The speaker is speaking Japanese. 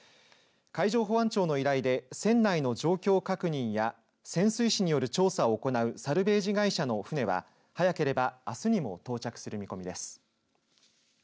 海上保安庁の依頼で船内の状況確認や潜水士による調査を行うサルベージ会社の船は早ければあすにも到着する見込みです。